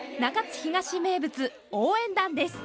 東名物・応援団です。